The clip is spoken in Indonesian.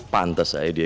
pantes aja dia